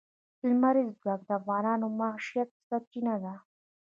لمریز ځواک د افغانانو د معیشت سرچینه ده.